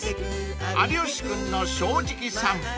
［『有吉くんの正直さんぽ』］